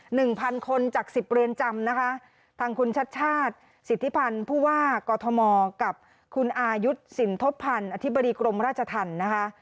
หนึ่งพันคนจากสิบเรือนจำนะคะทางคุณชัดชาติสิทธิพันธ์ผู้ว่ากอทมกับคุณอายุทธ์สินทบพันธ์อธิบดีกรมราชธรรมนะคะ